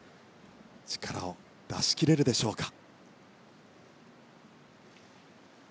力を出し切れるでしょうか。